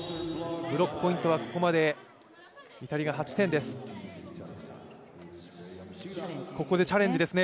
ブロックポイントはここまでイタリアが８点です。